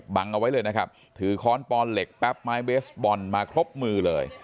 บังเอาไว้เลยนะครับถือค้อนปอนเหล็กแป๊บไม้เบสบอลมาครบมือเลย